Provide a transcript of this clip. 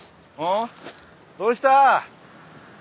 どうした？